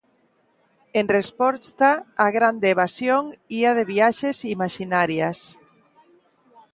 En resposta, 'A grande evasión' ía de viaxes imaxinarias.